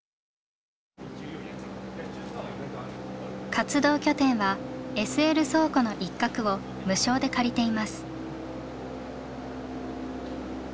活動拠点はＳＬ倉庫の一角を無償で借りています。